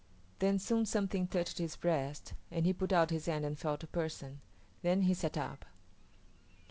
Then soon something touched his breast, and he put out his hand and felt a person. Then he sat up.